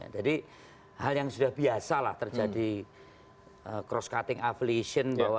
jadi hal yang sudah biasa lah terjadi kronis